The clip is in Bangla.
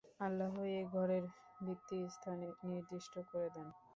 আল্লাহ এ ঘরের ভিত্তি স্থান নির্দিষ্ট করে দেন।